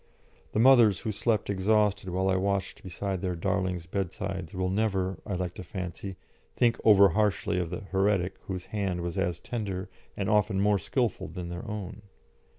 The mothers who slept exhausted while I watched beside their darlings' bedsides will never, I like to fancy, think over harshly of the heretic whose hand was as tender and often more skilful than their own.